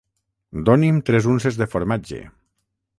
Doni’m tres unces de formatge.